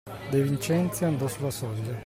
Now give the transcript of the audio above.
De Vincenzi andò sulla soglia.